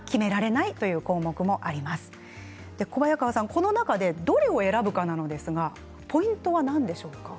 この中でどれを選ぶかなんですがポイントは何でしょうか？